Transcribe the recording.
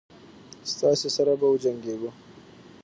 ستاسي سره به وجنګیږو.